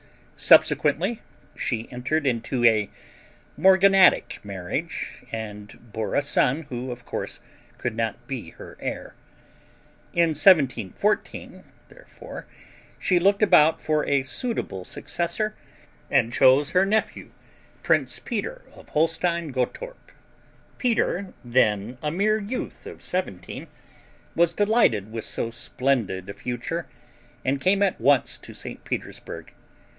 Subsequently she entered into a morganatic marriage and bore a son who, of course, could not be her heir. In 1742, therefore, she looked about for a suitable successor, and chose her nephew, Prince Peter of Holstein Gottorp. Peter, then a mere youth of seventeen, was delighted with so splendid a future, and came at once to St. Petersburg.